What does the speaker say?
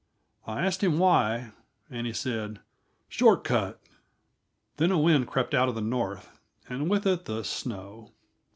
I asked him why, and he said, "Short cut." Then a wind crept out of the north, and with it the snow.